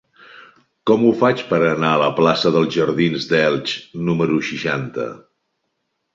Com ho faig per anar a la plaça dels Jardins d'Elx número seixanta?